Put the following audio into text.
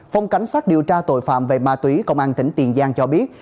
phòng cảnh sát điều tra tội phạm về ma túy công an tỉnh tiền giang cho biết